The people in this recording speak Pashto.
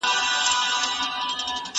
که عملي کار وي نو نظریه نه پاتې کیږي.